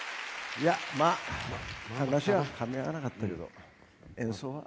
いやまあ話は噛み合わなかったけど演奏は。